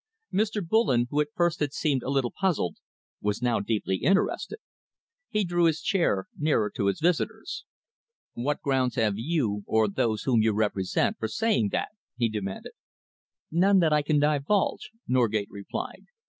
Mr. Bullen, who at first had seemed a little puzzled, was now deeply interested. He drew his chair nearer to his visitor's. "What grounds have you, or those whom you represent, for saying that?" he demanded. "None that I can divulge," Norgate replied.